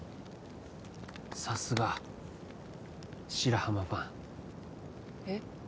さすが白浜ファンえっ？